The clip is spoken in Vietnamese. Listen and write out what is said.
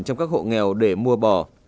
trong các hộ nghèo để mua bò